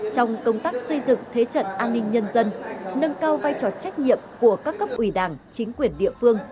trong công tác xây dựng thế trận an ninh nhân dân nâng cao vai trò trách nhiệm của các cấp ủy đảng chính quyền địa phương